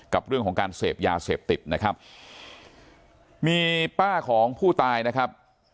กับเรื่องของการเสพยาเสพติดนะครับมีป้าของผู้ตายนะครับ